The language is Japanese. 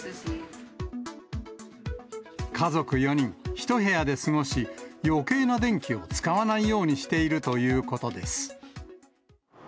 家族４人、１部屋で過ごし、よけいな電気を使わないようにしているということです。